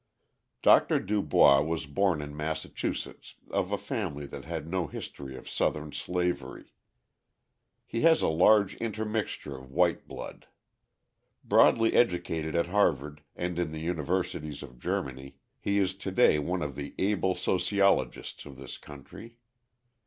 Dr. Du Bois was born in Massachusetts of a family that had no history of Southern slavery. He has a large intermixture of white blood. Broadly educated at Harvard and in the universities of Germany, he is to day one of the able sociologists of this country.